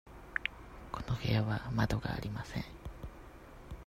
この部屋は窓がありません。